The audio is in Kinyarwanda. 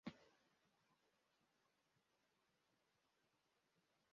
Umugabo aryamye mu mucanga